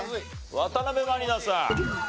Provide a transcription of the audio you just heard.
渡辺満里奈さん。